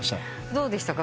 どうでしたか？